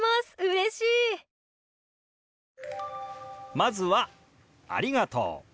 まずは「ありがとう」。